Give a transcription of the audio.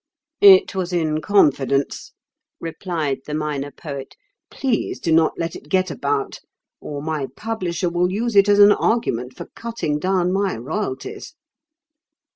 "It was in confidence," replied the Minor Poet. "Please do not let it get about, or my publisher will use it as an argument for cutting down my royalties."